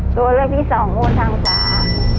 ตัวเลือกที่สองวนทางซ้าย